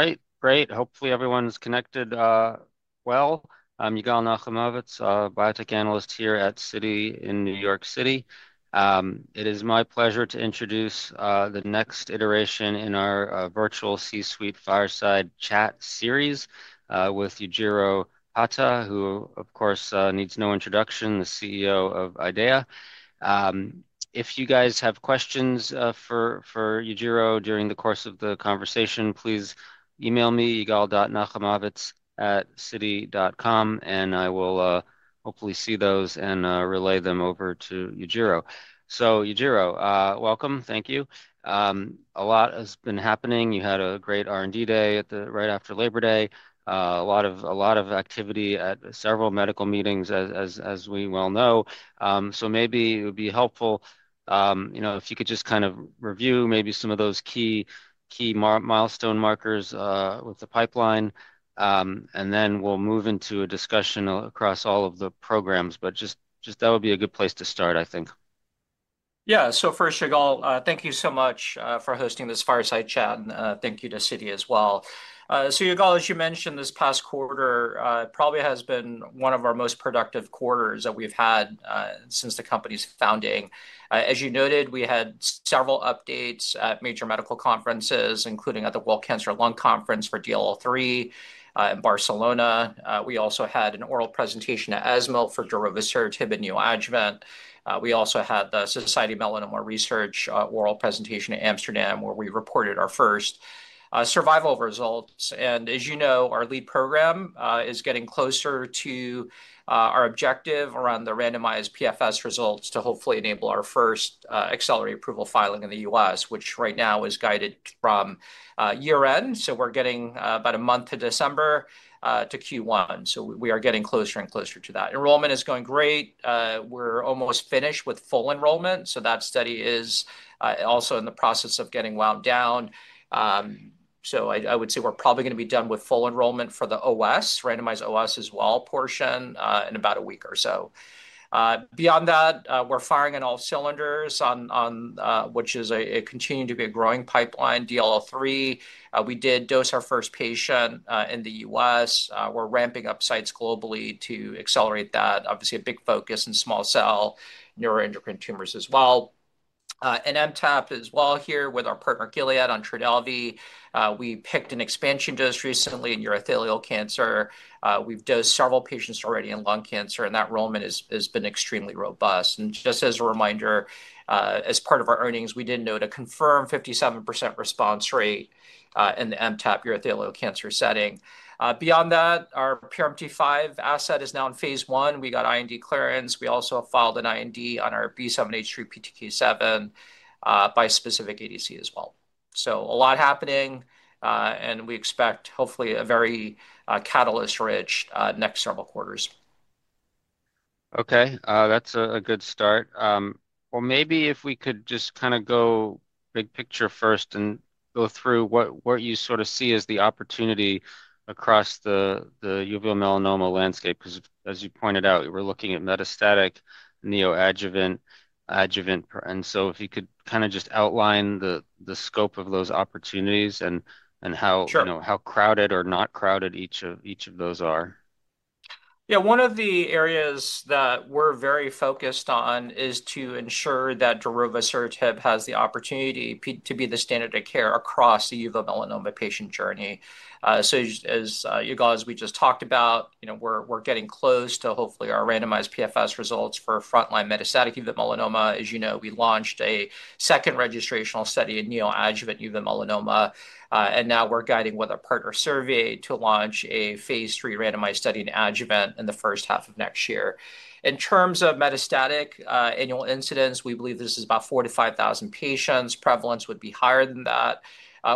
All right, great. Hopefully everyone's connected. Yigal Nahumovitz, biotech analyst here at Citi in New York City. It is my pleasure to introduce the next iteration in our virtual C-suite fireside chat series with Yujiro Hata, who, of course, needs no introduction, the CEO of IDEAYA Biosciences. If you guys have questions for Yujiro during the course of the conversation, please email me, yigal.nahumovitz@citi.com, and I will hopefully see those and relay them over to Yujiro. Yujiro, welcome. Thank you. A lot has been happening. You had a great R&D day right after Labor Day. A lot of activity at several medical meetings, as we well know. Maybe it would be helpful if you could just kind of review maybe some of those key milestone markers with the pipeline. Then we will move into a discussion across all of the programs. That would be a good place to start, I think. Yeah. First, Yigal, thank you so much for hosting this fireside chat. Thank you to Citi as well. Yigal, as you mentioned, this past quarter probably has been one of our most productive quarters that we've had since the company's founding. As you noted, we had several updates at major medical conferences, including at the World Conference on Lung Cancer for DLL3 in Barcelona. We also had an oral presentation at ESMO for darovasertib in adjuvant. We also had the Society of Melanoma Research oral presentation in Amsterdam, where we reported our first survival results. As you know, our lead program is getting closer to our objective around the randomized PFS results to hopefully enable our first accelerated approval filing in the U.S., which right now is guided from year end. We're getting about a month to December to Q1. We are getting closer and closer to that. Enrollment is going great. We're almost finished with full enrollment. That study is also in the process of getting wound down. I would say we're probably going to be done with full enrollment for the OS, randomized OS as well portion, in about a week or so. Beyond that, we're firing on all cylinders, which is a continuing to be a growing pipeline, DLL3. We did dose our first patient in the U.S. We're ramping up sites globally to accelerate that. Obviously, a big focus in small cell neuroendocrine tumors as well. MTAP as well here with our partner Gilead on Trodelvy. We picked an expansion dose recently in urothelial cancer. We've dosed several patients already in lung cancer, and that enrollment has been extremely robust. Just as a reminder, as part of our earnings, we did note a confirmed 57% response rate in the MTAP urothelial cancer setting. Beyond that, our PRMT5 asset is now in phase one. We got IND clearance. We also filed an IND on our B7H3 PTK7 bispecific ADC as well. A lot is happening. We expect, hopefully, a very catalyst-rich next several quarters. Okay. That's a good start. Maybe if we could just kind of go big picture first and go through what you sort of see as the opportunity across the uveal melanoma landscape, because as you pointed out, we're looking at metastatic, neoadjuvant, adjuvant. If you could kind of just outline the scope of those opportunities and how crowded or not crowded each of those are. Yeah. One of the areas that we're very focused on is to ensure that darovasertib has the opportunity to be the standard of care across the uveal melanoma patient journey. As Yigal, as we just talked about. We're getting close to hopefully our randomized PFS results for frontline metastatic uveal melanoma. As you know, we launched a second registrational study in neoadjuvant uveal melanoma. Now we're guiding with our partner Servier to launch a phase three randomized study in adjuvant in the first half of next year. In terms of metastatic annual incidence, we believe this is about 4,000-5,000 patients. Prevalence would be higher than that.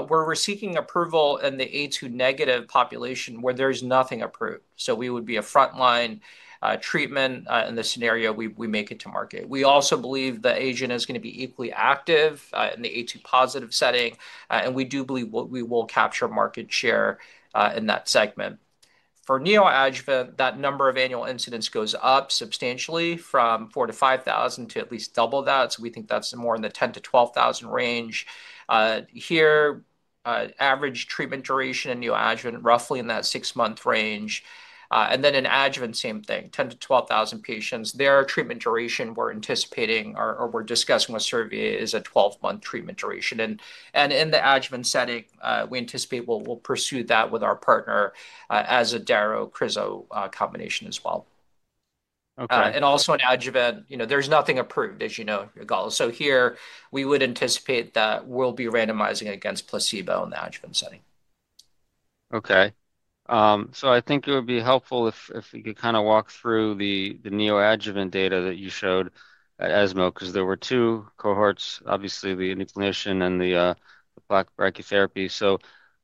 We're seeking approval in the A2 negative population where there's nothing approved. We would be a frontline treatment in the scenario we make it to market. We also believe the agent is going to be equally active in the A2 positive setting. We do believe we will capture market share in that segment. For neoadjuvant, that number of annual incidents goes up substantially from 4,000-5,000 to at least double that. We think that's more in the 10,000-12,000 range. Here, average treatment duration in neoadjuvant, roughly in that six-month range. In adjuvant, same thing, 10,000-12,000 patients. Their treatment duration we're anticipating or we're discussing with Servier is a 12-month treatment duration. In the adjuvant setting, we anticipate we'll pursue that with our partner as a darovasertib-crizotinib combination as well. In adjuvant, there's nothing approved, as you know, Yigal. Here, we would anticipate that we'll be randomizing against placebo in the adjuvant setting. Okay. I think it would be helpful if you could kind of walk through the neoadjuvant data that you showed at ESML, because there were two cohorts, obviously the enucleation and the plaque brachytherapy.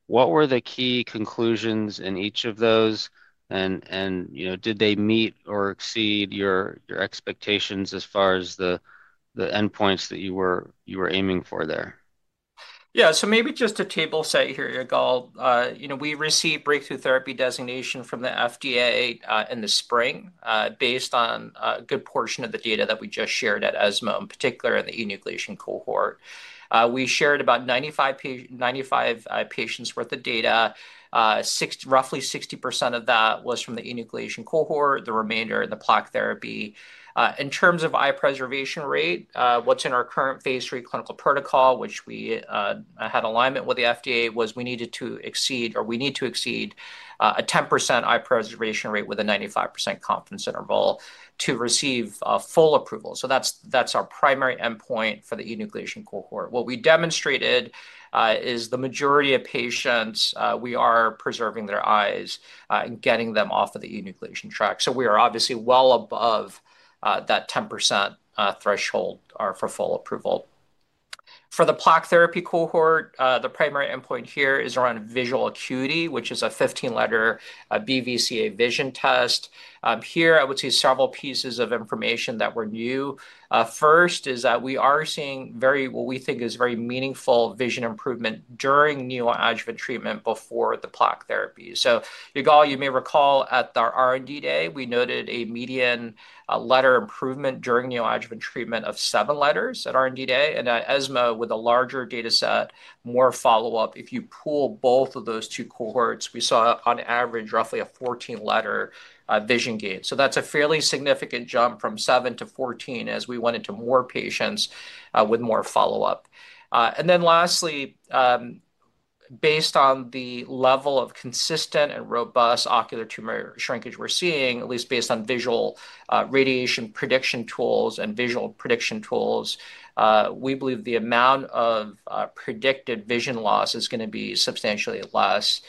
What were the key conclusions in each of those? Did they meet or exceed your expectations as far as the endpoints that you were aiming for there? Yeah. So maybe just a table set here, Yigal. We received Breakthrough Therapy Designation from the FDA in the spring based on a good portion of the data that we just shared at ESML, in particular in the enucleation cohort. We shared about 95 patients' worth of data. Roughly 60% of that was from the enucleation cohort, the remainder in the plaque therapy. In terms of eye preservation rate, what's in our current phase three clinical protocol, which we had alignment with the FDA, was we needed to exceed or we need to exceed a 10% eye preservation rate with a 95% confidence interval to receive full approval. So that's our primary endpoint for the enucleation cohort. What we demonstrated is the majority of patients, we are preserving their eyes and getting them off of the enucleation track. So we are obviously well above that 10% threshold for full approval. For the plaque therapy cohort, the primary endpoint here is around visual acuity, which is a 15-letter BCVA vision test. Here, I would say several pieces of information that were new. First is that we are seeing what we think is very meaningful vision improvement during neoadjuvant treatment before the plaque therapy. Yigal, you may recall at our R&D day, we noted a median letter improvement during neoadjuvant treatment of seven letters at R&D day. At ESML, with a larger data set, more follow-up, if you pool both of those two cohorts, we saw on average roughly a 14-letter vision gain. That is a fairly significant jump from 7 to 14 as we went into more patients with more follow-up. Lastly. Based on the level of consistent and robust ocular tumor shrinkage we're seeing, at least based on visual radiation prediction tools and visual prediction tools, we believe the amount of predicted vision loss is going to be substantially less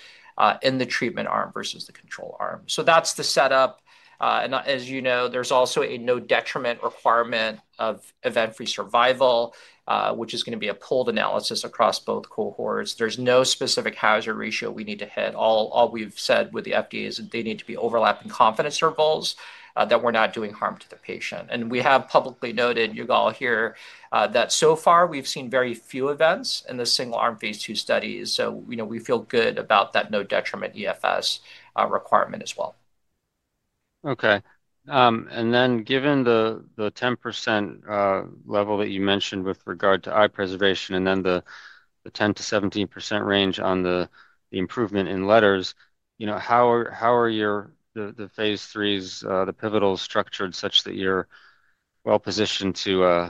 in the treatment arm versus the control arm. That is the setup. As you know, there is also a no detriment requirement of event-free survival, which is going to be a pooled analysis across both cohorts. There is no specific hazard ratio we need to hit. All we've said with the FDA is that they need to be overlapping confidence intervals that we're not doing harm to the patient. We have publicly noted, Yigal, here that so far we've seen very few events in the single-arm phase two studies. We feel good about that no detriment EFS requirement as well. Okay. And then given the 10% level that you mentioned with regard to eye preservation and then the 10-17% range on the improvement in letters, how are the phase threes, the pivotals structured such that you're well positioned to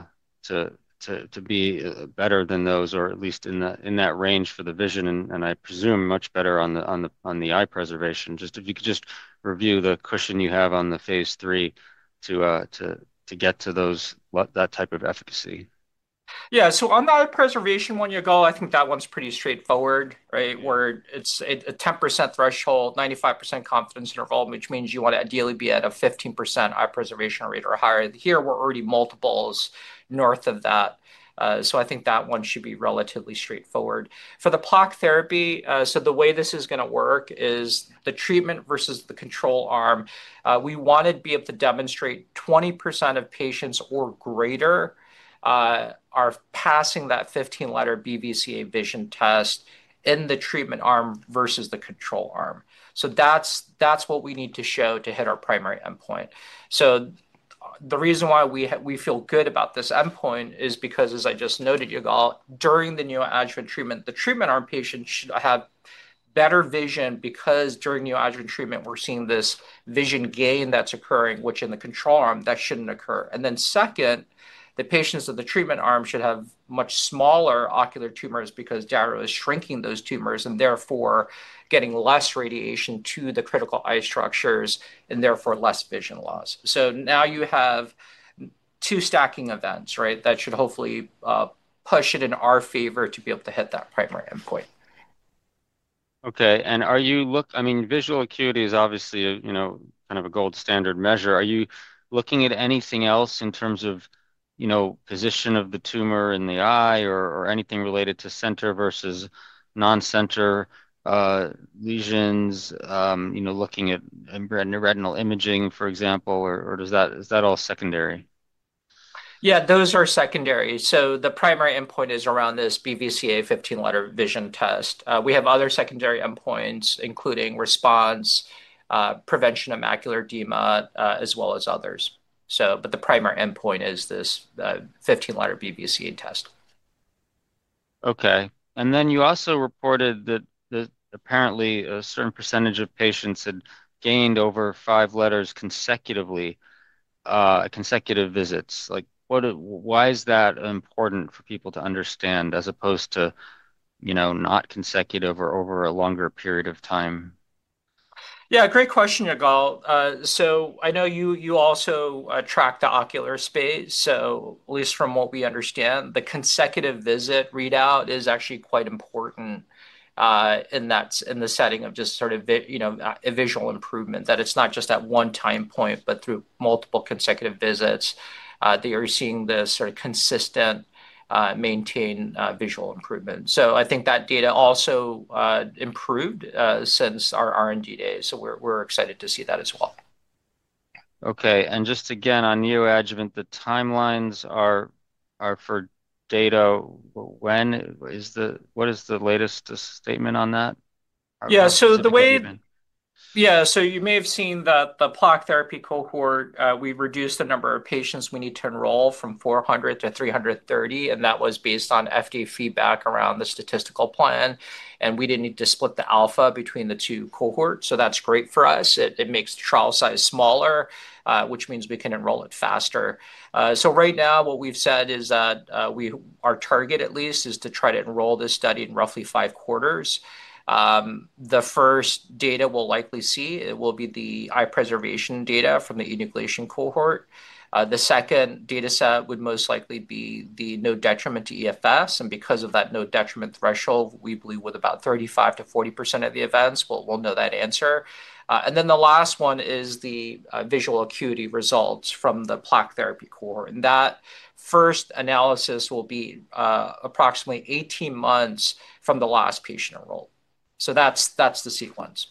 be better than those, or at least in that range for the vision, and I presume much better on the eye preservation? Just if you could just review the cushion you have on the phase three to get to that type of efficacy. Yeah. So on the eye preservation one, Yigal, I think that one's pretty straightforward, right? Where it's a 10% threshold, 95% confidence interval, which means you want to ideally be at a 15% eye preservation rate or higher. Here, we're already multiples north of that. I think that one should be relatively straightforward. For the plaque therapy, the way this is going to work is the treatment versus the control arm. We want to be able to demonstrate 20% of patients or greater are passing that 15-letter BCVA vision test in the treatment arm versus the control arm. That's what we need to show to hit our primary endpoint. The reason why we feel good about this endpoint is because, as I just noted, Yigal, during the neoadjuvant treatment, the treatment arm patients should have better vision because during neoadjuvant treatment, we're seeing this vision gain that's occurring, which in the control arm, that shouldn't occur. Second, the patients of the treatment arm should have much smaller ocular tumors because Darovasertib is shrinking those tumors and therefore getting less radiation to the critical eye structures and therefore less vision loss. You have two stacking events, right, that should hopefully push it in our favor to be able to hit that primary endpoint. Okay. I mean, visual acuity is obviously kind of a gold standard measure. Are you looking at anything else in terms of position of the tumor in the eye or anything related to center versus non-center lesions, looking at retinal imaging, for example, or is that all secondary? Yeah, those are secondary. The primary endpoint is around this BCVA 15-letter vision test. We have other secondary endpoints, including response, prevention of macular edema, as well as others. The primary endpoint is this 15-letter BCVA test. Okay. You also reported that apparently a certain percentage of patients had gained over five letters consecutively. Consecutive visits. Why is that important for people to understand as opposed to not consecutive or over a longer period of time? Yeah, great question, Yigal. I know you also track the ocular space. At least from what we understand, the consecutive visit readout is actually quite important. In the setting of just sort of a visual improvement, that it's not just at one time point, but through multiple consecutive visits, that you're seeing this sort of consistent, maintained visual improvement. I think that data also improved since our R&D day. We're excited to see that as well. Okay. Just again, on neoadjuvant, the timelines are. For data. What is the latest statement on that? Yeah. So the way. Yeah. So you may have seen that the plaque therapy cohort, we've reduced the number of patients we need to enroll from 400 to -330. That was based on FDA feedback around the statistical plan. We didn't need to split the alpha between the two cohorts. That's great for us. It makes the trial size smaller, which means we can enroll it faster. Right now, what we've said is that our target, at least, is to try to enroll this study in roughly five quarters. The first data we'll likely see, it will be the eye preservation data from the enucleation cohort. The second data set would most likely be the no detriment to EFS. Because of that no detriment threshold, we believe with about 35-40% of the events, we'll know that answer. The last one is the visual acuity results from the plaque therapy cohort. That first analysis will be approximately 18 months from the last patient enrolled. That is the sequence.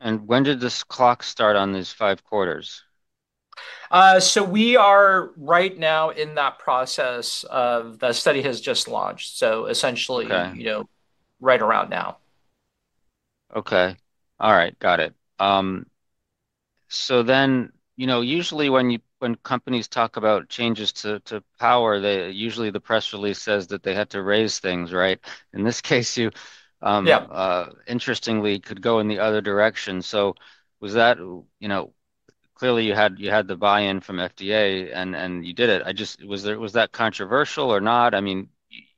When did this clock start on these five quarters? We are right now in that process of the study has just launched. Essentially, right around now. Okay. All right. Got it. Usually when companies talk about changes to power, usually the press release says that they had to raise things, right? In this case, interestingly, could go in the other direction. Was that—clearly you had the buy-in from FDA and you did it. Was that controversial or not? I mean,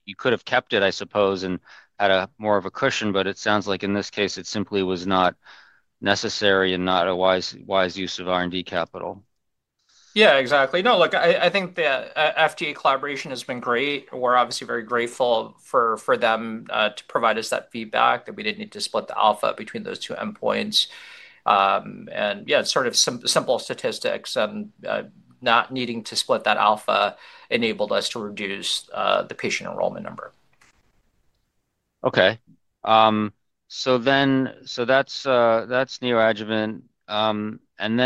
you could have kept it, I suppose, and had more of a cushion, but it sounds like in this case, it simply was not necessary and not a wise use of R&D capital. Yeah, exactly. No, look, I think the FDA collaboration has been great. We're obviously very grateful for them to provide us that feedback that we didn't need to split the alpha between those two endpoints. Yeah, sort of simple statistics and not needing to split that alpha enabled us to reduce the patient enrollment number. Okay. So that's neoadjuvant. And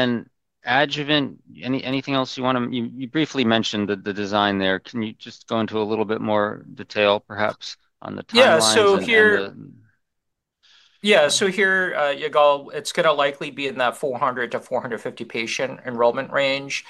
then adjuvant, anything else you want to—you briefly mentioned the design there. Can you just go into a little bit more detail, perhaps, on the timeline? Yeah. So here, Yigal, it's going to likely be in that 400-450 patient enrollment range.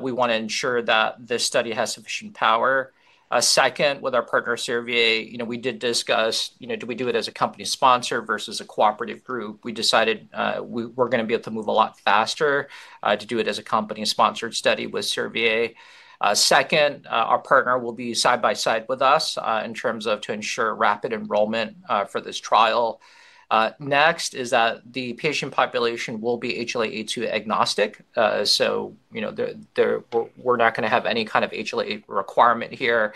We want to ensure that this study has sufficient power. Second, with our partner Servier, we did discuss, do we do it as a company sponsor versus a cooperative group? We decided we're going to be able to move a lot faster to do it as a company-sponsored study with Servier. Second, our partner will be side by side with us in terms of to ensure rapid enrollment for this trial. Next is that the patient population will be HLA-A2 agnostic. So. We're not going to have any kind of HLA-A2 requirement here.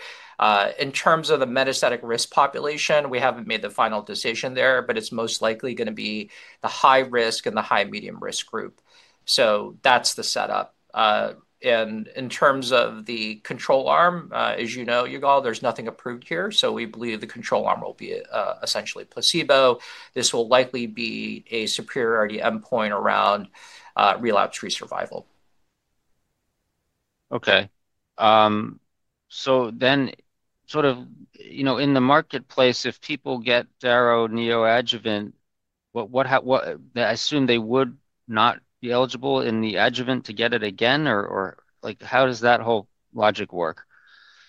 In terms of the metastatic risk population, we haven't made the final decision there, but it's most likely going to be the high risk and the high medium risk group. So that's the setup. In terms of the control arm, as you know, Yigal, there's nothing approved here. We believe the control arm will be essentially placebo. This will likely be a superiority endpoint around relapse-free survival. Okay. So then sort of in the marketplace, if people get Darovasertib neoadjuvant. I assume they would not be eligible in the adjuvant to get it again? Or how does that whole logic work?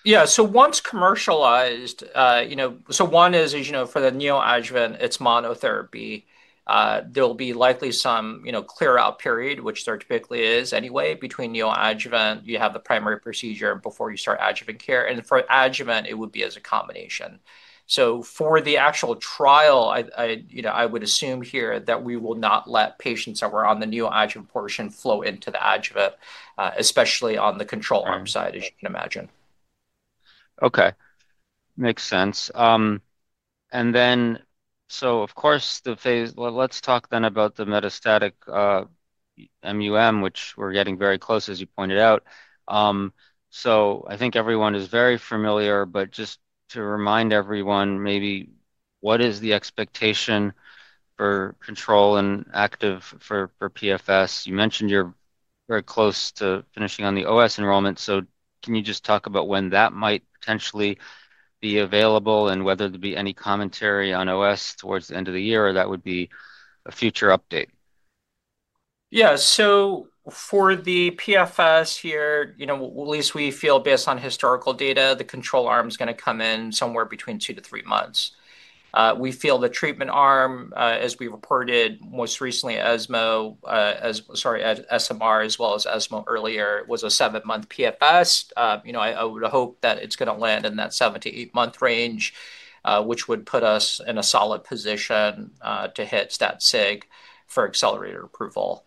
Yeah. Once commercialized, one is, as you know, for the neoadjuvant, it's monotherapy. There'll be likely some clear-out period, which there typically is anyway. Between neoadjuvant, you have the primary procedure before you start adjuvant care. For adjuvant, it would be as a combination. For the actual trial, I would assume here that we will not let patients that were on the neoadjuvant portion flow into the adjuvant, especially on the control arm side, as you can imagine. Okay. Makes sense. Then, of course, let's talk about the metastatic MUM, which we're getting very close, as you pointed out. I think everyone is very familiar, but just to remind everyone, maybe what is the expectation for control and active for PFS? You mentioned you're very close to finishing on the OS enrollment. Can you just talk about when that might potentially be available and whether there would be any commentary on OS towards the end of the year or if that would be a future update? Yeah. So for the PFS here, at least we feel based on historical data, the control arm is going to come in somewhere between two to three months. We feel the treatment arm, as we reported most recently, ESMO. Sorry, SMR, as well as ESMO earlier, was a seven-month PFS. I would hope that it's going to land in that seven to eight-month range, which would put us in a solid position to hit stat SIG for accelerator approval.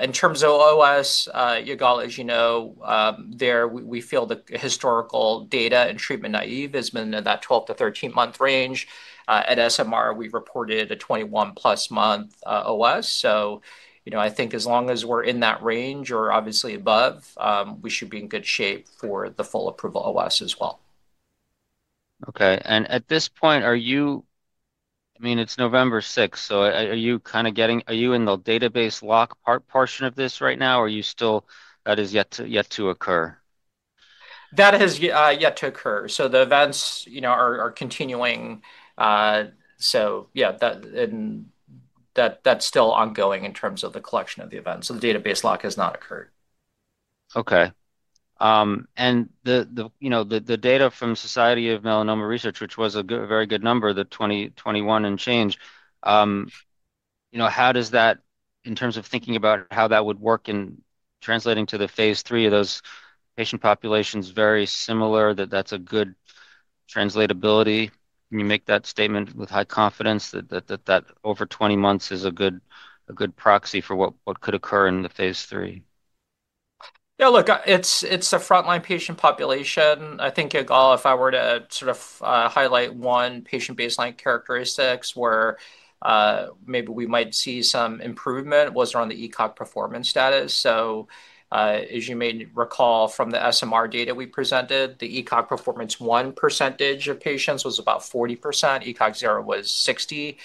In terms of OS, Yigal, as you know, there, we feel the historical data and treatment naive has been in that 12-13-month range. At SMR, we reported a 21-plus month OS. I think as long as we're in that range or obviously above, we should be in good shape for the full approval OS as well. Okay. At this point, are you, I mean, it's November 6th, so are you kind of getting, are you in the database lock portion of this right now? Or are you still, that is yet to occur? That has yet to occur. The events are continuing. Yeah, that's still ongoing in terms of the collection of the events. The database lock has not occurred. Okay. The data from Society of Melanoma Research, which was a very good number, the 2021 and change. How does that, in terms of thinking about how that would work in translating to the phase three of those patient populations, very similar that that's a good translatability? Can you make that statement with high confidence that that over 20 months is a good proxy for what could occur in the phase three? Yeah, look, it's a frontline patient population. I think, Yigal, if I were to sort of highlight one patient baseline characteristic where maybe we might see some improvement was around the ECOG performance status. As you may recall from the SMR data we presented, the ECOG performance one percentage of patients was about 40%. ECOG zero was 60%.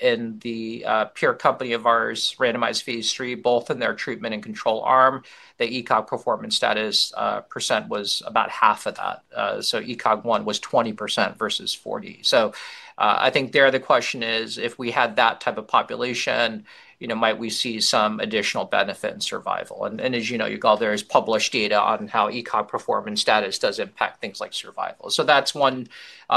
In the peer company of ours, randomized phase three, both in their treatment and control arm, the ECOG performance status percent was about half of that. ECOG one was 20% versus 40%. I think there the question is, if we had that type of population, might we see some additional benefit in survival? As you know, Yigal, there is published data on how ECOG performance status does impact things like survival. That's one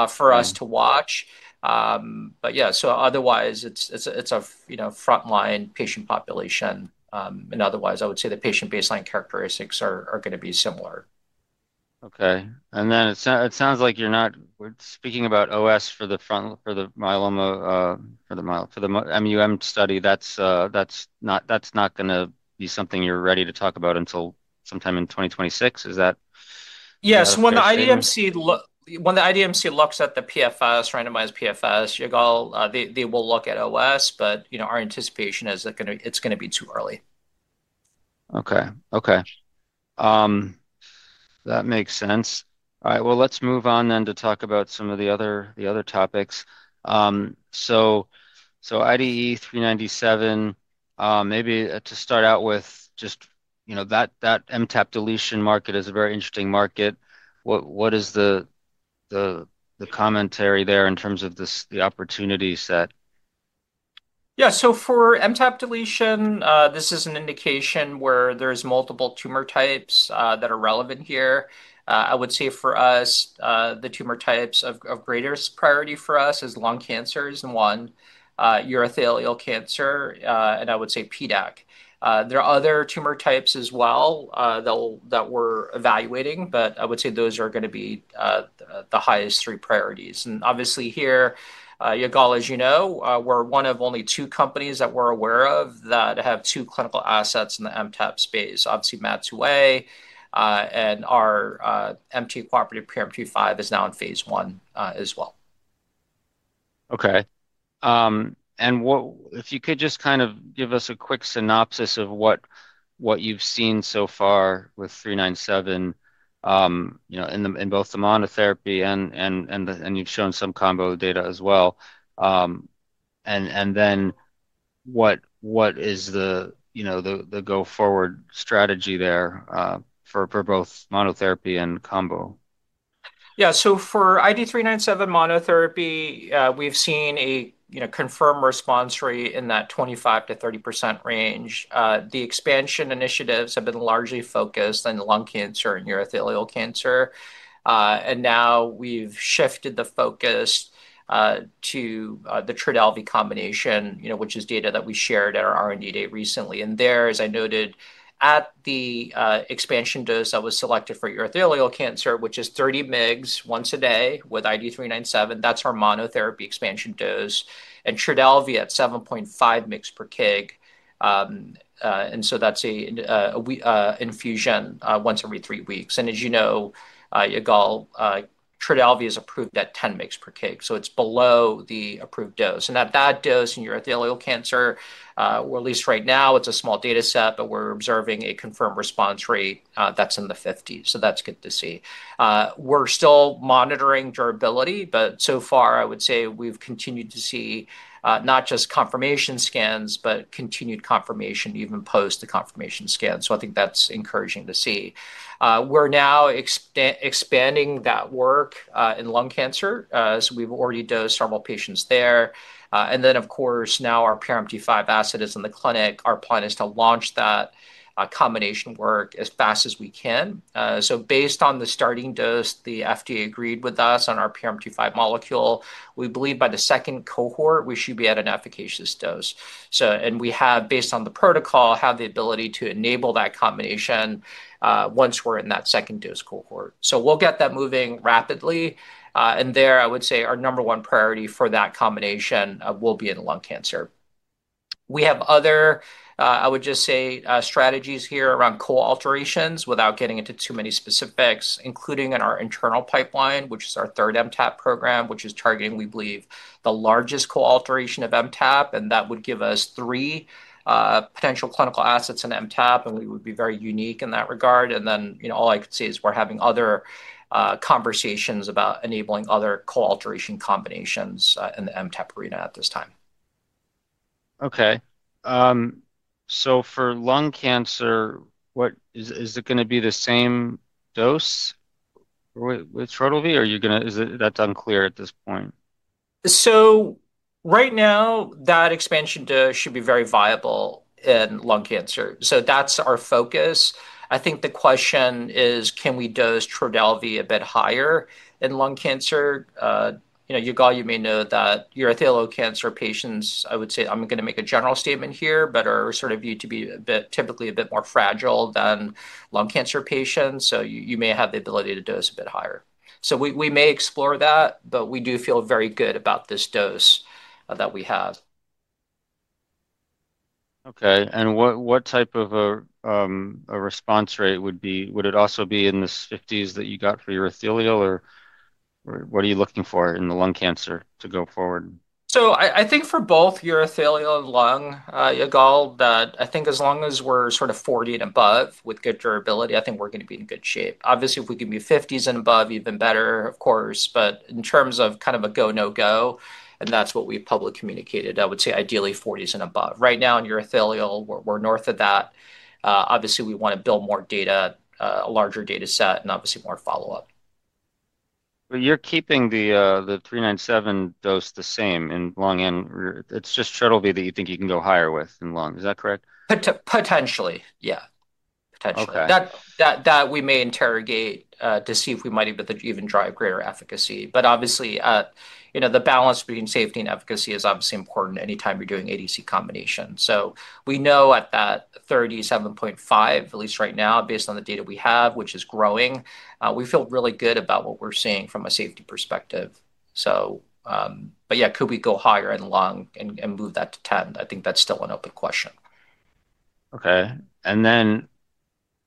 for us to watch. Yeah, otherwise, it's a frontline patient population. Otherwise, I would say the patient baseline characteristics are going to be similar. Okay. It sounds like you're not speaking about OS for the MUM study. That's not going to be something you're ready to talk about until sometime in 2026. Is that? Yes. When the IDMC looks at the PFS, randomized PFS, Yigal, they will look at OS, but our anticipation is that it's going to be too early. Okay. Okay. That makes sense. All right. Let's move on then to talk about some of the other topics. IDE 397. Maybe to start out with just, that MTAP deletion market is a very interesting market. What is the commentary there in terms of the opportunity set? Yeah. For MTAP deletion, this is an indication where there's multiple tumor types that are relevant here. I would say for us, the tumor types of greatest priority for us is lung cancer is one, urothelial cancer, and I would say PDAC. There are other tumor types as well that we're evaluating, but I would say those are going to be the highest three priorities. Obviously here, Yigal, as you know, we're one of only two companies that we're aware of that have two clinical assets in the MTAP space. Obviously, MAT2A. And our MTAP cooperative PRMT5 is now in phase one as well. Okay. If you could just kind of give us a quick synopsis of what you've seen so far with 397 in both the monotherapy, and you've shown some combo data as well. What is the go-forward strategy there for both monotherapy and combo? Yeah. So for ID 397 monotherapy, we've seen a confirmed response rate in that 25-30% range. The expansion initiatives have been largely focused on lung cancer and urothelial cancer. Now we've shifted the focus to the Trodelvy combination, which is data that we shared at our R&D day recently. There, as I noted, at the expansion dose that was selected for urothelial cancer, which is 30 mg once a day with ID 397, that's our monotherapy expansion dose, and Trodelvy at 7.5 mg per kg. That is an infusion once every three weeks. As you know, Yigal, Trodelvy is approved at 10 mg per kg, so it's below the approved dose. At that dose in urothelial cancer, or at least right now, it's a small data set, but we're observing a confirmed response rate that's in the 50% range. That's good to see. We're still monitoring durability, but so far, I would say we've continued to see not just confirmation scans, but continued confirmation even post the confirmation scan. I think that's encouraging to see. We're now expanding that work in lung cancer as we've already dosed several patients there. Of course, now our PRMT5 asset is in the clinic. Our plan is to launch that combination work as fast as we can. Based on the starting dose, the FDA agreed with us on our PRMT5 molecule. We believe by the second cohort, we should be at an efficacious dose. We have, based on the protocol, had the ability to enable that combination once we're in that second dose cohort. We'll get that moving rapidly. I would say our number one priority for that combination will be in lung cancer. We have other, I would just say, strategies here around co-alterations without getting into too many specifics, including in our internal pipeline, which is our third MTAP program, which is targeting, we believe, the largest co-alteration of MTAP. That would give us three potential clinical assets in MTAP, and we would be very unique in that regard. All I could say is we're having other conversations about enabling other co-alteration combinations in the MTAP arena at this time. Okay. For lung cancer, is it going to be the same dose with Trodelvy? Or is that unclear at this point? Right now, that expansion dose should be very viable in lung cancer. That is our focus. I think the question is, can we dose Trodelvy a bit higher in lung cancer? Yigal, you may know that urothelial cancer patients, I would say, I am going to make a general statement here, but are sort of viewed to be typically a bit more fragile than lung cancer patients. You may have the ability to dose a bit higher. We may explore that, but we do feel very good about this dose that we have. Okay. What type of a response rate would it also be in the 50s that you got for urothelial? What are you looking for in the lung cancer to go forward? I think for both urothelial and lung, Yigal, that I think as long as we're sort of 40 and above with good durability, I think we're going to be in good shape. Obviously, if we can be 50s and above, even better, of course, but in terms of kind of a go, no go, and that's what we've publicly communicated, I would say ideally 40s and above. Right now in urothelial, we're north of that. Obviously, we want to build more data, a larger data set, and obviously more follow-up. You're keeping the 397 dose the same in lung and it's just Trodelvy that you think you can go higher with in lung. Is that correct? Potentially. Yeah. Potentially. That we may interrogate to see if we might even drive greater efficacy. Obviously, the balance between safety and efficacy is obviously important anytime you're doing ADC combination. We know at that 37.5, at least right now, based on the data we have, which is growing, we feel really good about what we're seeing from a safety perspective. Yeah, could we go higher in lung and move that to 10? I think that's still an open question. Okay. And then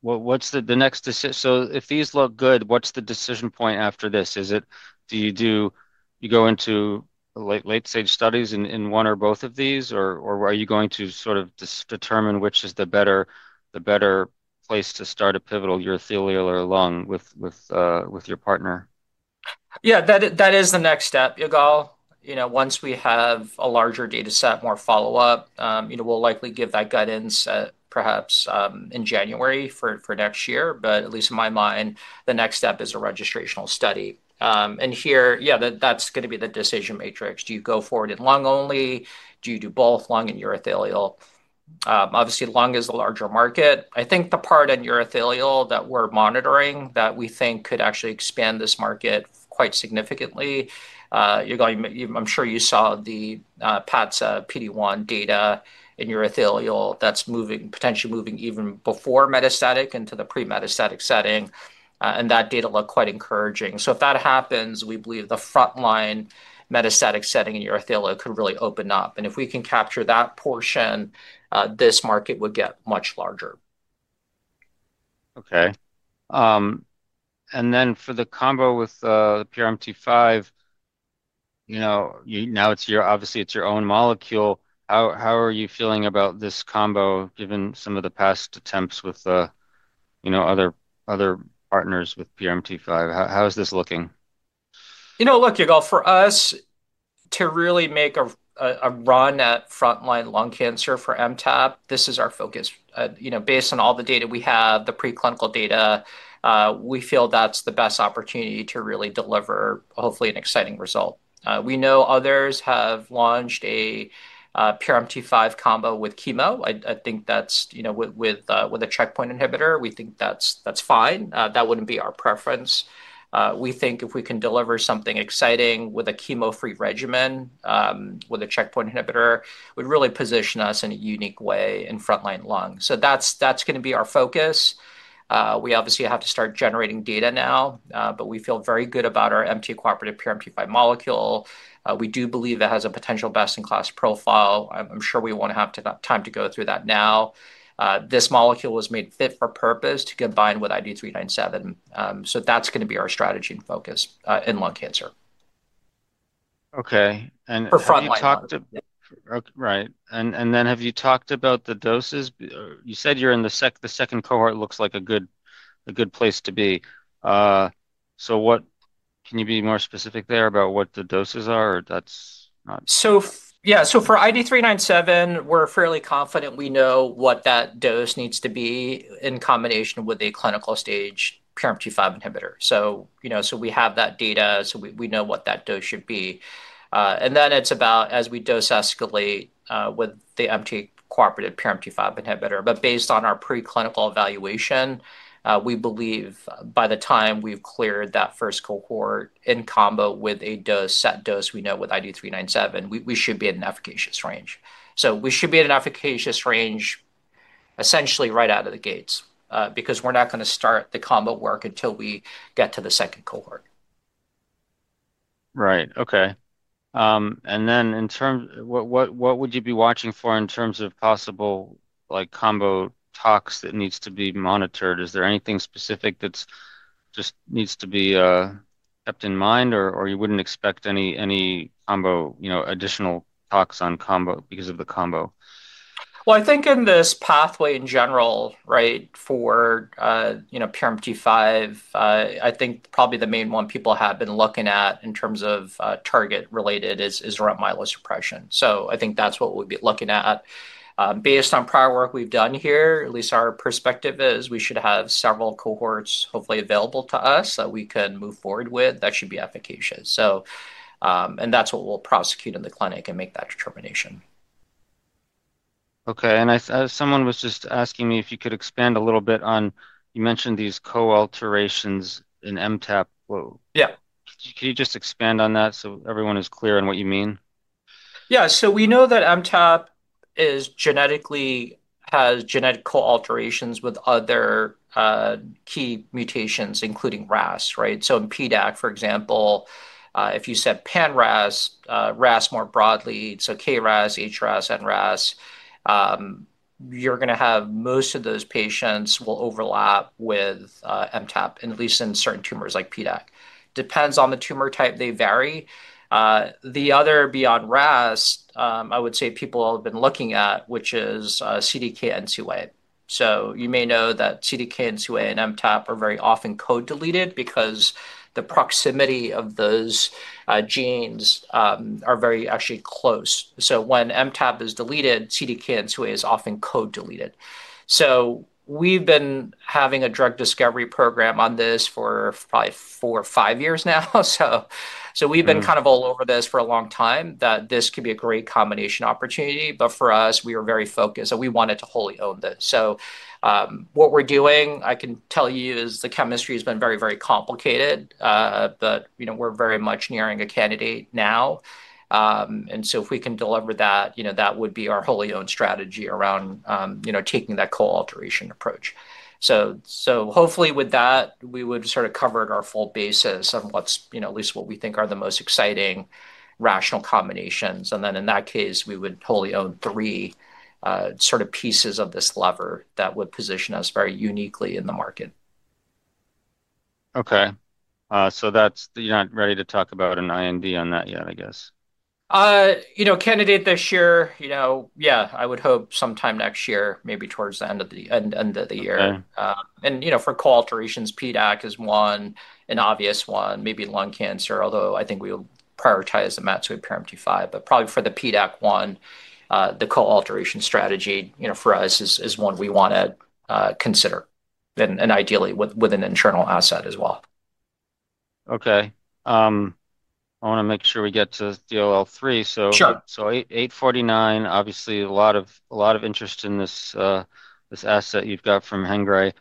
what is the next decision? If these look good, what is the decision point after this? Do you go into late-stage studies in one or both of these, or are you going to sort of determine which is the better place to start a pivotal urothelial or lung with your partner? Yeah, that is the next step, Yigal. Once we have a larger data set, more follow-up, we'll likely give that guidance perhaps in January for next year, but at least in my mind, the next step is a registrational study. Here, yeah, that's going to be the decision matrix. Do you go forward in lung only? Do you do both lung and urothelial? Obviously, lung is the larger market. I think the part in urothelial that we're monitoring that we think could actually expand this market quite significantly. Yigal, I'm sure you saw the PATS PD-1 data in urothelial that's potentially moving even before metastatic into the pre-metastatic setting. That data looked quite encouraging. If that happens, we believe the frontline metastatic setting in urothelial could really open up. If we can capture that portion, this market would get much larger. Okay. For the combo with PRMT5, now, obviously, it's your own molecule. How are you feeling about this combo given some of the past attempts with other partners with PRMT5? How is this looking? You know, look, Yigal, for us. To really make a run at frontline lung cancer for MTAP, this is our focus. Based on all the data we have, the preclinical data, we feel that's the best opportunity to really deliver, hopefully, an exciting result. We know others have launched a PRMT5 combo with chemo. I think that's with a checkpoint inhibitor. We think that's fine. That wouldn't be our preference. We think if we can deliver something exciting with a chemo-free regimen, with a checkpoint inhibitor, would really position us in a unique way in frontline lung. That is going to be our focus. We obviously have to start generating data now, but we feel very good about our MTAP cooperative PRMT5 molecule. We do believe it has a potential best-in-class profile. I'm sure we won't have time to go through that now. This molecule was made fit for purpose to combine with ID 397. That is going to be our strategy and focus in lung cancer. Okay. Have you talked? Right. Have you talked about the doses? You said you're in the second cohort, looks like a good place to be. Can you be more specific there about what the doses are? Or that's not? Yeah, for ID 397, we're fairly confident we know what that dose needs to be in combination with a clinical stage PRMT5 inhibitor. We have that data, so we know what that dose should be. Then it's about as we dose escalate with the MTAP cooperative PRMT5 inhibitor. Based on our preclinical evaluation, we believe by the time we've cleared that first cohort in combo with a set dose we know with ID 397, we should be in an efficacious range. We should be in an efficacious range essentially right out of the gates because we're not going to start the combo work until we get to the second cohort. Right. Okay. In terms of what would you be watching for in terms of possible combo talks that need to be monitored? Is there anything specific that just needs to be kept in mind or you would not expect any additional talks on combo because of the combo? I think in this pathway in general, right, for PRMT5, I think probably the main one people have been looking at in terms of target-related is really myelosuppression. I think that's what we'll be looking at. Based on prior work we've done here, at least our perspective is we should have several cohorts hopefully available to us that we can move forward with that should be efficacious. That's what we'll prosecute in the clinic and make that determination. Okay. Someone was just asking me if you could expand a little bit on, you mentioned these co-alterations in MTAP. Can you just expand on that so everyone is clear on what you mean? Yeah. So we know that MTAP has genetic co-alterations with other key mutations, including RAS, right? In PDAC, for example, if you said pan-RAS, RAS more broadly, so KRAS, HRAS, NRAS. You're going to have most of those patients will overlap with MTAP, at least in certain tumors like PDAC. Depends on the tumor type, they vary. The other beyond RAS, I would say people have been looking at, which is CDK N2A. You may know that CDK N2A and MTAP are very often co-deleted because the proximity of those genes are very actually close. When MTAP is deleted, CDK N2A is often co-deleted. We've been having a drug discovery program on this for probably four or five years now. We've been kind of all over this for a long time that this could be a great combination opportunity. For us, we were very focused and we wanted to wholly own this. What we're doing, I can tell you, is the chemistry has been very, very complicated. We're very much nearing a candidate now. If we can deliver that, that would be our wholly owned strategy around taking that coal alteration approach. Hopefully with that, we would have sort of covered our full basis on at least what we think are the most exciting rational combinations. In that case, we would wholly own three sort of pieces of this lever that would position us very uniquely in the market. Okay. So you're not ready to talk about an IND on that yet, I guess? Candidate this year, yeah, I would hope sometime next year, maybe towards the end of the year. For co-alterations, PDAC is one, an obvious one, maybe lung cancer, although I think we'll prioritize the MTAP PRMT5, but probably for the PDAC one, the co-alteration strategy for us is one we want to consider. Ideally with an internal asset as well. Okay. I want to make sure we get to DLL3. So 849, obviously a lot of interest in this. Asset you got from Hengrui.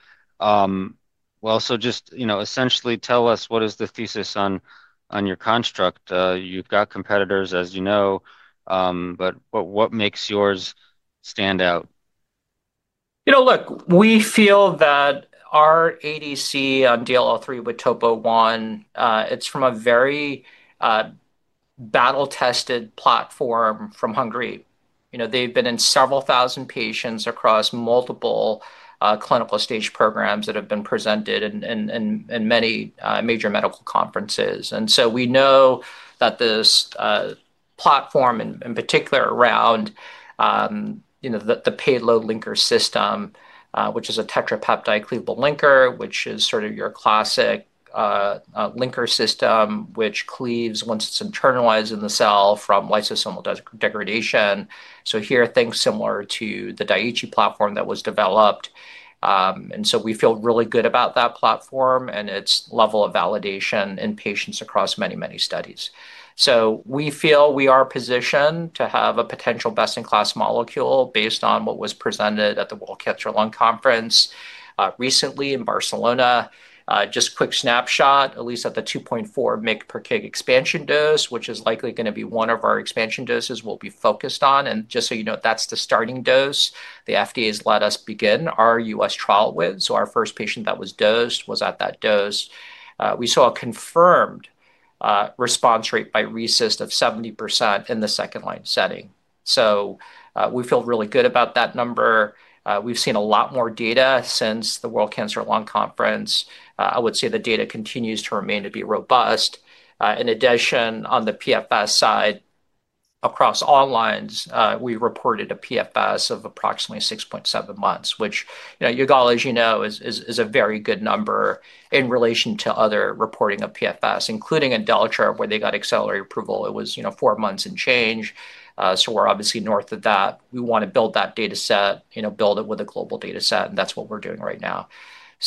Just essentially tell us what is the thesis on your construct. You have competitors, as you know, but what makes yours stand out? Look, we feel that our ADC on DLL3 with Topo1, it is from a very battle-tested platform from Hengrui. They have been in several thousand patients across multiple clinical stage programs that have been presented in many major medical conferences. We know that this platform, in particular around the payload linker system, which is a tetrapeptide cleavable linker, is sort of your classic linker system, which cleaves once it is internalized in the cell from lysosomal degradation. Here, things are similar to the Daiichi platform that was developed. We feel really good about that platform and its level of validation in patients across many, many studies. We feel we are positioned to have a potential best-in-class molecule based on what was presented at the World Conference on Lung Cancer recently in Barcelona. Just quick snapshot, at least at the 2.4 mg per kg expansion dose, which is likely going to be one of our expansion doses we'll be focused on. Just so you know, that's the starting dose the FDA has let us begin our US trial with. Our first patient that was dosed was at that dose. We saw a confirmed response rate by RECIST of 70% in the second line setting. We feel really good about that number. We've seen a lot more data since the World Conference on Lung Cancer. I would say the data continues to remain to be robust. In addition, on the PFS side, across all lines, we reported a PFS of approximately 6.7 months, which, Yigal, as you know, is a very good number in relation to other reporting of PFS, including in Delta where they got accelerated approval. It was four months and change. We are obviously north of that. We want to build that data set, build it with a global data set, and that is what we are doing right now.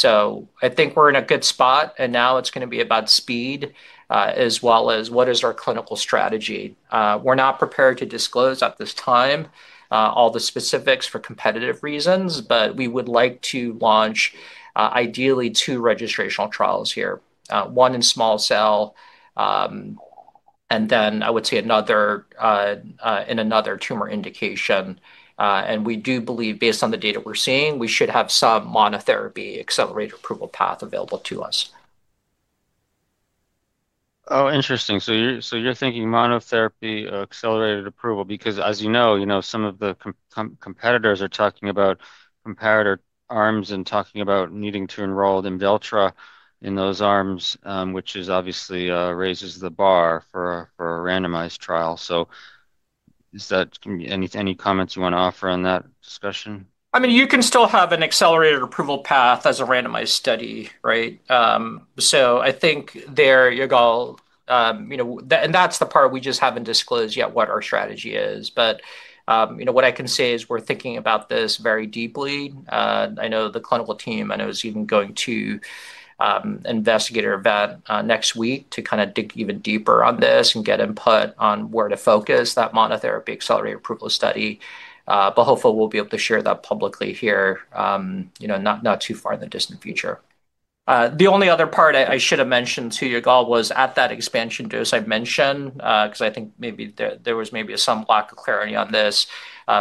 I think we are in a good spot, and now it is going to be about speed as well as what is our clinical strategy. We are not prepared to disclose at this time all the specifics for competitive reasons, but we would like to launch ideally two registrational trials here. One in small cell. I would say another in another tumor indication. We do believe, based on the data we are seeing, we should have some monotherapy accelerated approval path available to us. Oh, interesting. So you're thinking monotherapy accelerated approval because, as you know, some of the competitors are talking about comparator arms and talking about needing to enroll in Deltra in those arms, which obviously raises the bar for a randomized trial. Any comments you want to offer on that discussion? I mean, you can still have an accelerated approval path as a randomized study, right? I think there, Yigal, and that's the part we just haven't disclosed yet what our strategy is. What I can say is we're thinking about this very deeply. I know the clinical team, I know is even going to investigate or vet next week to kind of dig even deeper on this and get input on where to focus that monotherapy accelerated approval study. Hopefully we'll be able to share that publicly here not too far in the distant future. The only other part I should have mentioned to Yigal was at that expansion dose I mentioned because I think maybe there was maybe some lack of clarity on this.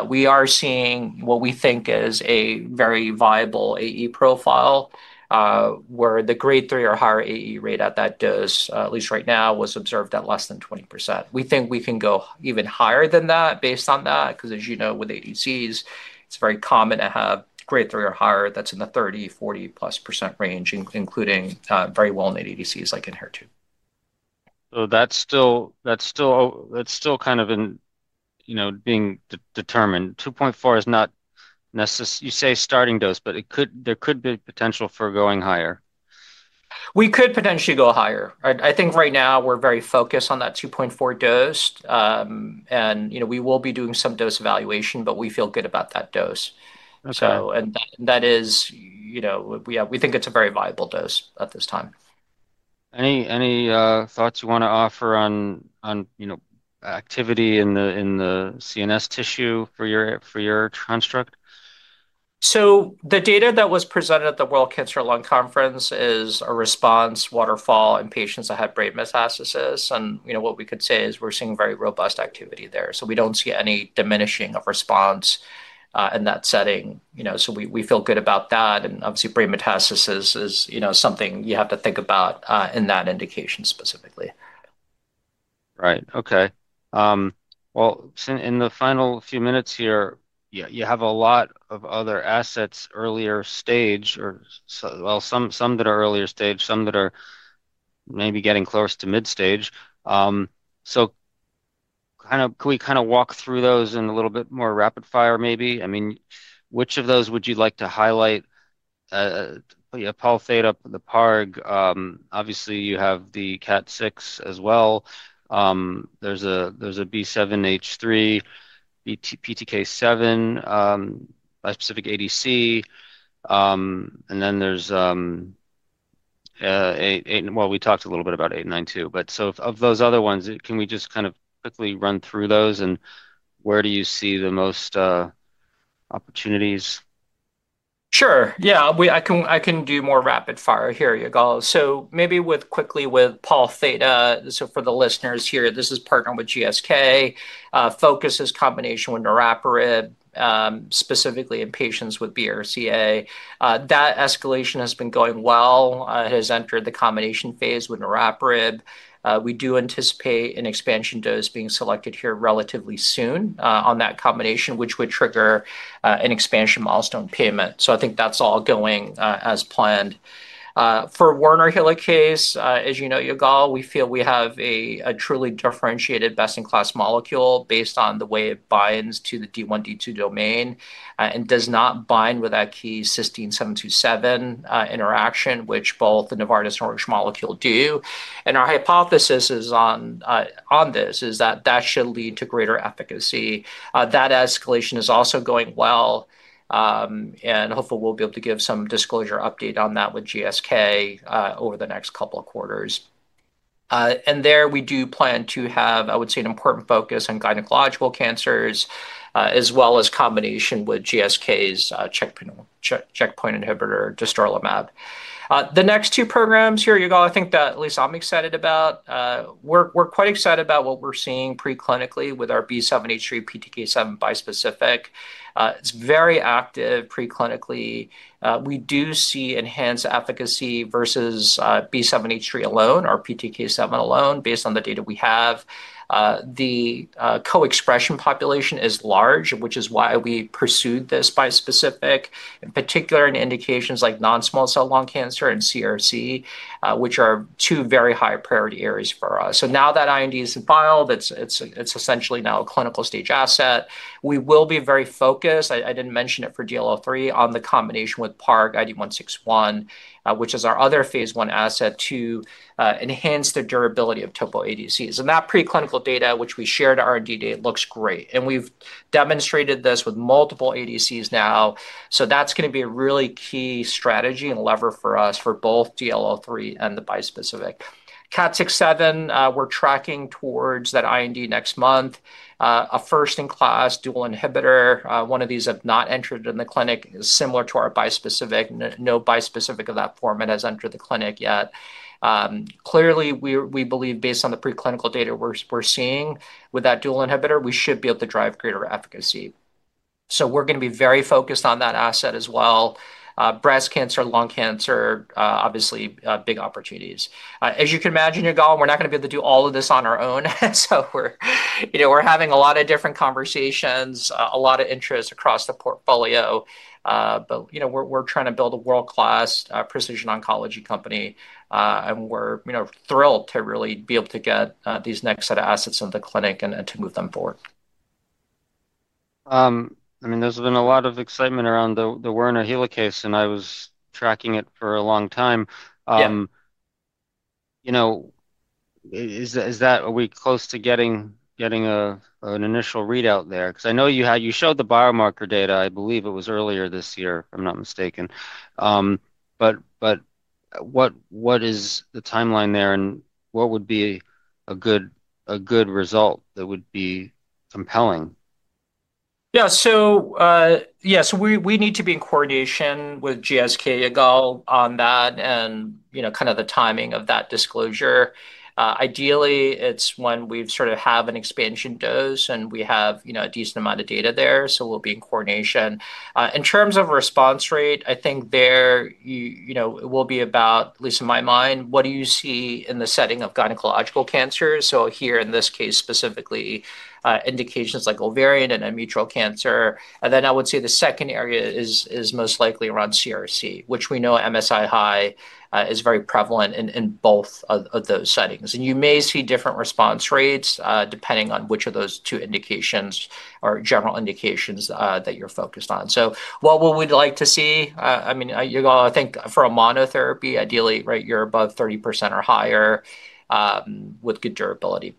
We are seeing what we think is a very viable AE profile. Where the grade 3 or higher AE rate at that dose, at least right now, was observed at less than 20%. We think we can go even higher than that based on that because, as you know, with ADCs, it's very common to have grade 3 or higher that's in the 30-40% range, including very well-known ADCs like Enhertu. That's still kind of being determined. 2.4 is not necessary. You say starting dose, but there could be potential for going higher. We could potentially go higher. I think right now we're very focused on that 2.4 dose. We will be doing some dose evaluation, but we feel good about that dose. That is, we think it's a very viable dose at this time. Any thoughts you want to offer on activity in the CNS tissue for your construct? The data that was presented at the World Conference on Lung Cancer is a response waterfall in patients that had brain metastasis. What we could say is we're seeing very robust activity there. We do not see any diminishing of response in that setting. We feel good about that. Obviously, brain metastasis is something you have to think about in that indication specifically. Right. Okay. In the final few minutes here, you have a lot of other assets earlier stage or some that are earlier stage, some that are maybe getting close to mid-stage. Can we kind of walk through those in a little bit more rapid fire, maybe? I mean, which of those would you like to highlight? Poltheta, the PARG. Obviously, you have the CAT6 as well. There's a B7H3, PTK7, bispecific ADC. We talked a little bit about 892. Of those other ones, can we just kind of quickly run through those and where do you see the most opportunities? Sure. Yeah. I can do more rapid fire here, Yigal. Maybe quickly with poltheta, for the listeners here, this is partnered with GSK. Focus is combination with niraparib. Specifically in patients with BRCA. That escalation has been going well. It has entered the combination phase with niraparib. We do anticipate an expansion dose being selected here relatively soon on that combination, which would trigger an expansion milestone payment. I think that's all going as planned. For WRN helicase, as you know, Yigal, we feel we have a truly differentiated best-in-class molecule based on the way it binds to the D1D2 domain and does not bind with that key cysteine 727 interaction, which both the Novartis and Oric molecule do. Our hypothesis on this is that that should lead to greater efficacy. That escalation is also going well. Hopefully we'll be able to give some disclosure update on that with GSK over the next couple of quarters. There we do plan to have, I would say, an important focus on gynecological cancers as well as combination with GSK's checkpoint inhibitor, dostarlimab. The next two programs here, Yigal, I think that at least I'm excited about. We're quite excited about what we're seeing preclinically with our B7H3 PTK7 bispecific. It's very active preclinically. We do see enhanced efficacy versus B7H3 alone or PTK7 alone, based on the data we have. The co-expression population is large, which is why we pursued this bispecific, in particular in indications like non-small cell lung cancer and CRC, which are two very high priority areas for us. Now that IND is in file, it's essentially now a clinical stage asset. We will be very focused, I didn't mention it for DLL3, on the combination with PARG ID 161, which is our other phase one asset to enhance the durability of topo ADCs. That preclinical data, which we shared R&D data, looks great. We've demonstrated this with multiple ADCs now. That is going to be a really key strategy and lever for us for both DLL3 and the bispecific. CAT67, we're tracking towards that IND next month. A first-in-class dual inhibitor. One of these have not entered in the clinic, is similar to our bispecific. No bispecific of that format has entered the clinic yet. Clearly, we believe based on the preclinical data we're seeing with that dual inhibitor, we should be able to drive greater efficacy. We are going to be very focused on that asset as well. Breast cancer, lung cancer, obviously big opportunities. As you can imagine, Yigal, we're not going to be able to do all of this on our own. We are having a lot of different conversations, a lot of interest across the portfolio. We are trying to build a world-class precision oncology company. We are thrilled to really be able to get these next set of assets into the clinic and to move them forward. I mean, there's been a lot of excitement around the WRN helicase, and I was tracking it for a long time. Is that a week close to getting an initial readout there? I know you showed the biomarker data, I believe it was earlier this year, if I'm not mistaken. What is the timeline there and what would be a good result that would be compelling? Yeah. So yes, we need to be in coordination with GSK, Yigal, on that and kind of the timing of that disclosure. Ideally, it's when we sort of have an expansion dose and we have a decent amount of data there. We will be in coordination. In terms of response rate, I think there. It will be about, at least in my mind, what do you see in the setting of gynecological cancers? Here in this case, specifically, indications like ovarian and endometrial cancer. I would say the second area is most likely around CRC, which we know MSI high is very prevalent in both of those settings. You may see different response rates depending on which of those two indications or general indications that you're focused on. What would we like to see? I mean, Yigal, I think for a monotherapy, ideally, right, you're above 30% or higher, with good durability.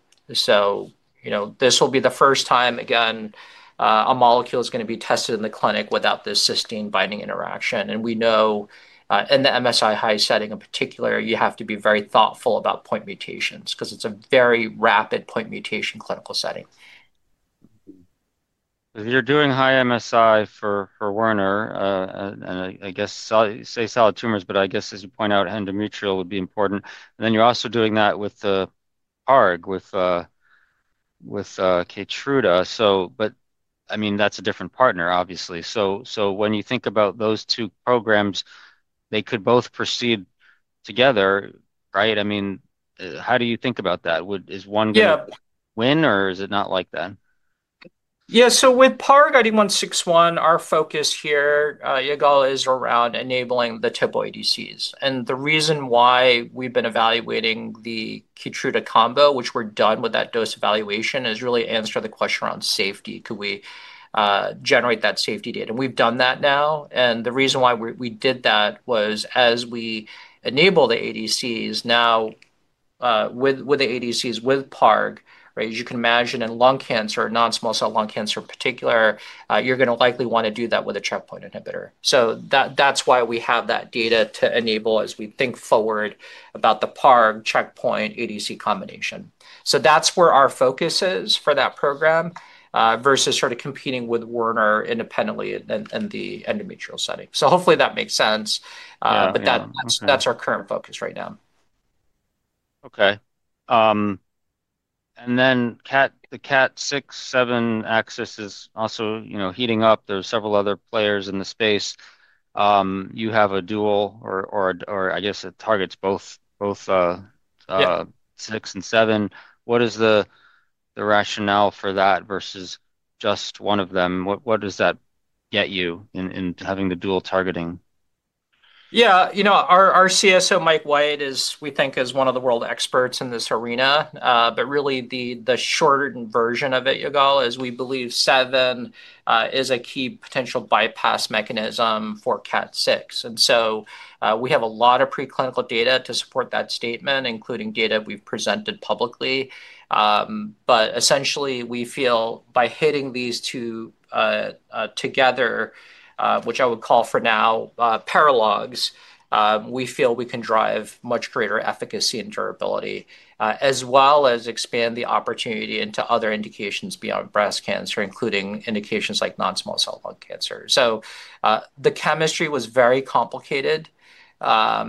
This will be the first time, again, a molecule is going to be tested in the clinic without this cysteine binding interaction. We know in the MSI high setting in particular, you have to be very thoughtful about point mutations because it's a very rapid point mutation clinical setting. You're doing high MSI for Warner. I guess, say solid tumors, but I guess, as you point out, endometrial would be important. Then you're also doing that with PARG with Keytruda. I mean, that's a different partner, obviously. When you think about those two programs, they could both proceed together, right? I mean, how do you think about that? Is one going to win, or is it not like that? Yeah. With PARG ID 161, our focus here, Yigal, is around enabling the topo ADCs. The reason why we've been evaluating the Keytruda combo, which we're done with that dose evaluation, is really to answer the question around safety. Could we generate that safety data? We've done that now. The reason why we did that was as we enable the ADCs now. With the ADCs with PARG, right, as you can imagine in lung cancer, non-small cell lung cancer in particular, you're going to likely want to do that with a checkpoint inhibitor. That's why we have that data to enable as we think forward about the PARG checkpoint ADC combination. That's where our focus is for that program, versus sort of competing with Warner independently in the endometrial setting. Hopefully that makes sense. That's our current focus right now. Okay. The CAT67 axis is also heating up. There are several other players in the space. You have a dual, or, I guess, it targets both six and seven. What is the rationale for that versus just one of them? What does that get you in having the dual targeting? Yeah. Our CSO, Michael White, we think is one of the world experts in this arena. Really, the shortened version of it, Yigal, is we believe seven is a key potential bypass mechanism for CAT6. We have a lot of preclinical data to support that statement, including data we've presented publicly. Essentially, we feel by hitting these two together, which I would call for now paralogs, we feel we can drive much greater efficacy and durability, as well as expand the opportunity into other indications beyond breast cancer, including indications like non-small cell lung cancer. The chemistry was very complicated. Our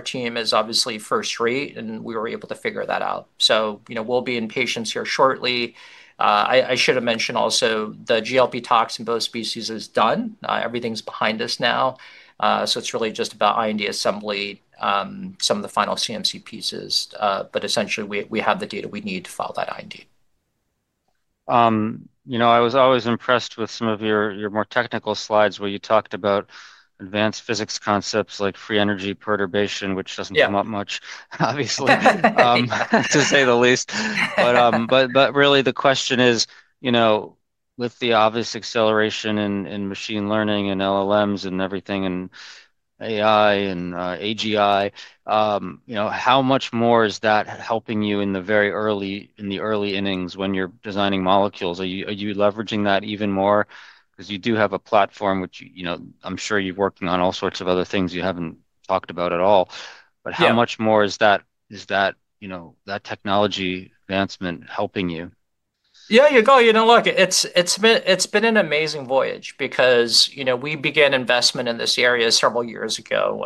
team is obviously first rate, and we were able to figure that out. We'll be in patients here shortly. I should have mentioned also the GLP toxin both species is done. Everything's behind us now. It's really just about IND assembly, some of the final CMC pieces. Essentially, we have the data we need to file that IND. I was always impressed with some of your more technical slides where you talked about advanced physics concepts like free energy perturbation, which does not come up much, obviously. To say the least. But really, the question is, with the obvious acceleration in machine learning and LLMs and everything and AI and AGI, how much more is that helping you in the very early innings when you are designing molecules? Are you leveraging that even more? Because you do have a platform, which I am sure you are working on all sorts of other things you have not talked about at all. But how much more is that technology advancement helping you? Yeah, Yigal, you know, look, it's been an amazing voyage because we began investment in this area several years ago.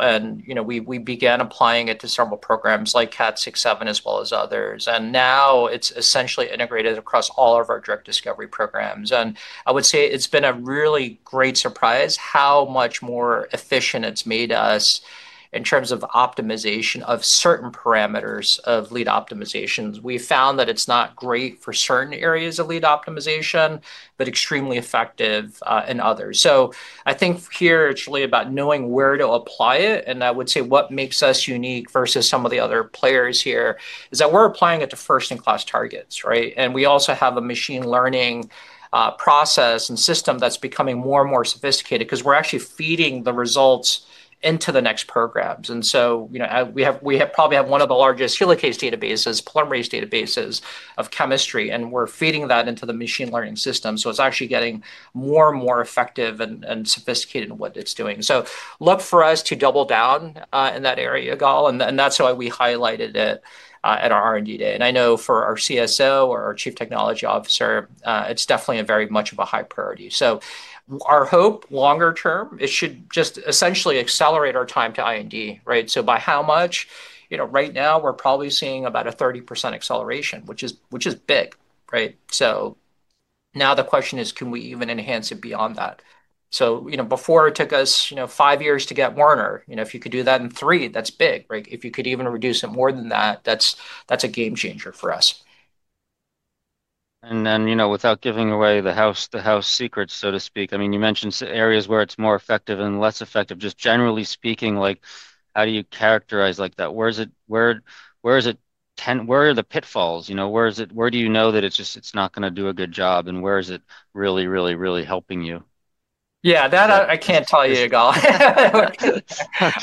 We began applying it to several programs like CAT67 as well as others. Now it's essentially integrated across all of our direct discovery programs. I would say it's been a really great surprise how much more efficient it's made us in terms of optimization of certain parameters of lead optimizations. We found that it's not great for certain areas of lead optimization, but extremely effective in others. I think here it's really about knowing where to apply it. I would say what makes us unique versus some of the other players here is that we're applying it to first-in-class targets, right? We also have a machine learning process and system that's becoming more and more sophisticated because we're actually feeding the results into the next programs. We probably have one of the largest WRN helicase databases, polymerase databases of chemistry, and we're feeding that into the machine learning system. It's actually getting more and more effective and sophisticated in what it's doing. Look for us to double down in that area, Yigal. That's why we highlighted it at our R&D day. I know for our CSO or our Chief Technology Officer, it's definitely very much of a high priority. Our hope longer term, it should just essentially accelerate our time to IND, right? By how much? Right now, we're probably seeing about a 30% acceleration, which is big, right? Now the question is, can we even enhance it beyond that? Before it took us five years to get WRN, if you could do that in three, that's big, right? If you could even reduce it more than that, that's a game changer for us. Without giving away the house secrets, so to speak, I mean, you mentioned areas where it's more effective and less effective. Just generally speaking, how do you characterize that? Where is it? Where are the pitfalls? Where do you know that it's just not going to do a good job? And where is it really, really, really helping you? Yeah, that I can't tell you, Yigal.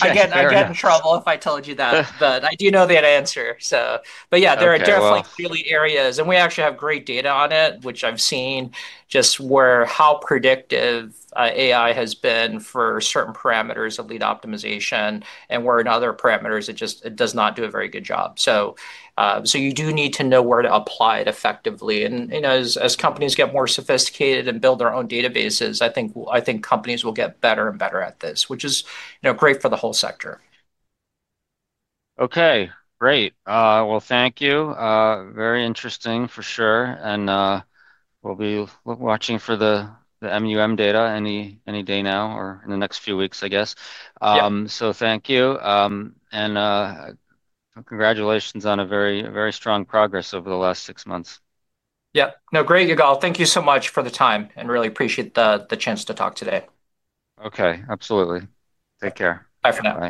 I'd get in trouble if I told you that. I do know the answer. Yeah, there are definitely really areas. We actually have great data on it, which I've seen just how predictive AI has been for certain parameters of lead optimization. Where in other parameters, it just does not do a very good job. You do need to know where to apply it effectively. As companies get more sophisticated and build their own databases, I think companies will get better and better at this, which is great for the whole sector. Okay, great. Thank you. Very interesting for sure. We will be watching for the MUM data any day now or in the next few weeks, I guess. Thank you. Congratulations on very strong progress over the last six months. Yep. No, great, Yigal. Thank you so much for the time and really appreciate the chance to talk today. Okay, absolutely. Take care. Bye for now.